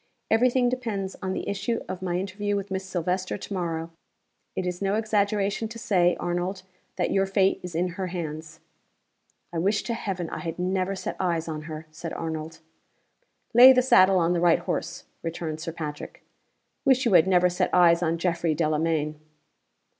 Every thing depends on the issue of my interview with Miss Silvester to morrow. It is no exaggeration to say, Arnold, that your fate is in her hands." "I wish to heaven I had never set eyes on her!" said Arnold. "Lay the saddle on the right horse," returned Sir Patrick. "Wish you had never set eyes on Geoffrey Delamayn."